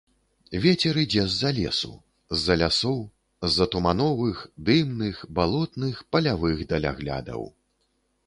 Вецер ідзе з-за лесу, з-за лясоў, з-за тумановых, дымных, балотных, палявых даляглядаў.